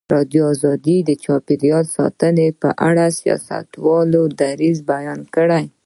ازادي راډیو د چاپیریال ساتنه په اړه د سیاستوالو دریځ بیان کړی.